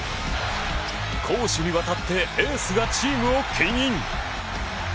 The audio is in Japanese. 攻守にわたってエースがチームを牽引！